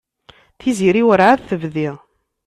Tiziri werɛad tebdi.